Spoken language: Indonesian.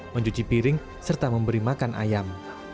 mencuci piring serta memberi makan ayam